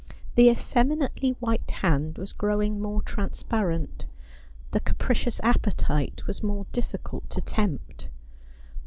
The effeminately white hand was growing more trans parent ; the capricious appetite was more difi&cult to tempt ; the 198 Ai^pliodel.